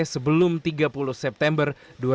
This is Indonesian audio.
sebelum tiga puluh september dua ribu enam belas